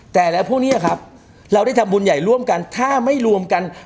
แต่แล้วพวกนี้ครับเราได้ทำบุญใหญ่ร่วมกันถ้าไม่รวมกัน